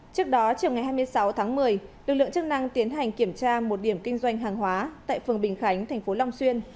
trước đó chiều ngày hai mươi sáu tháng một mươi lực lượng chức năng tiến hành kiểm tra một điểm kinh doanh hàng hóa tại phường bình khánh thành phố long xuyên